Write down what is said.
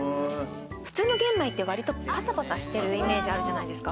普通の玄米ってパサパサしてるイメージあるじゃないですか。